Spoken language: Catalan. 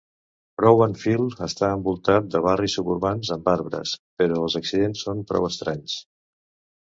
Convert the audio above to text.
Bowman Field està envoltat de barris suburbans amb arbres, però els accidents són prou estranys.